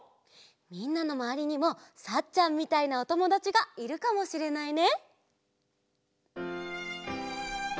みんなのまわりにも「サッちゃん」みたいなおともだちがいるかもしれないね。